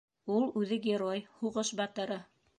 Ул үҙе герой, һуғыш батыры.